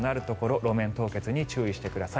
路面凍結に注意してください。